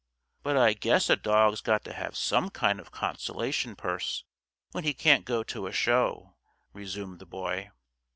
"But I guess a dog's got to have some kind of consolation purse when he can't go to a show," resumed the Boy.